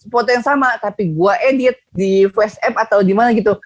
foto yang sama tapi gue edit di whatsapp atau di mana gitu